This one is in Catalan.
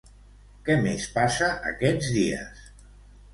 Què més passa aquests dies?